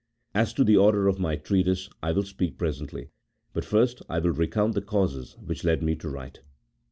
As to the order of my treatise I will speak presently, but first I will recount the causes which led me to write.